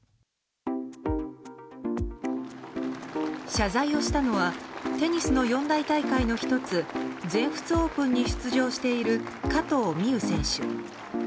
謝罪をしたのはテニスの四大大会の１つ全仏オープンに出場している加藤未唯選手。